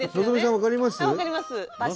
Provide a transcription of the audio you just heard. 分かります。